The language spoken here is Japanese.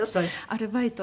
アルバイトで。